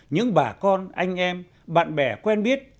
những bà con anh em bạn bè quen biết